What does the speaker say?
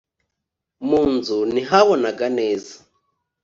mu nzu ntihabonaga neza.